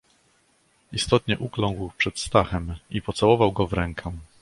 "Istotnie ukląkł przed Stachem i pocałował go w rękę."